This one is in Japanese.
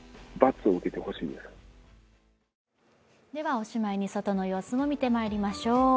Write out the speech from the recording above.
おしまいに外の様子も見てまいりましょう。